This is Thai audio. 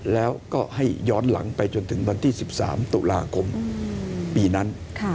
แล้วก็ให้ย้อนหลังไปจนถึงวันที่๑๓ตุลาคมปีนั้น